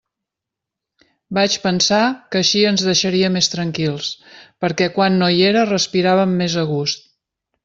Vaig pensar que així ens deixaria més tranquils, perquè quan no hi era respiràvem més a gust.